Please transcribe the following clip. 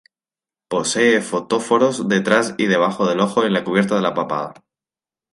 Posee fotóforos detrás y debajo del ojo y en la cubierta de la papada.